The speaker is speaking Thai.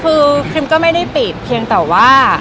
คือครีมก็ไม่ได้ปิดเพียงแต่ว่า